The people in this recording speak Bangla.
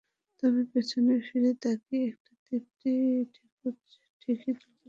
তবে পেছন ফিরে তাকিয়ে একটা তৃপ্তির ঢেঁকুর ঠিকই তুলতে পারেন চৌহান।